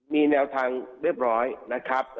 มีแนวทางเรียบร้อยนะครับ